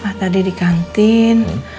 pak tadi di kantin